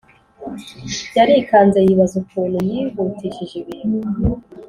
yarikanze yibaza ukuntu yihutishije ibintu